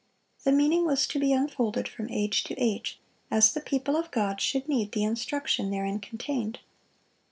The meaning was to be unfolded from age to age, as the people of God should need the instruction therein contained.